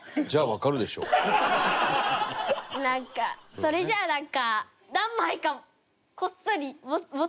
それじゃあなんか。